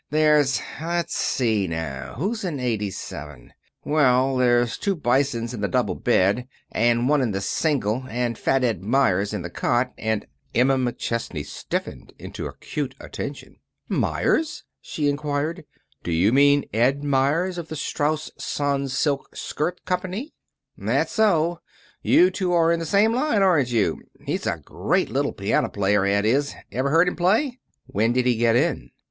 There's let's see now who's in eighty seven? Well, there's two Bisons in the double bed, and one in the single, and Fat Ed Meyers in the cot and " Emma McChesney stiffened into acute attention. "Meyers?" she interrupted. "Do you mean Ed Meyers of the Strauss Sans silk Skirt Company?" "That's so. You two are in the same line, aren't you? He's a great little piano player, Ed is. Ever hear him play?" "When did he get in?"